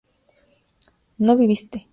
no viviste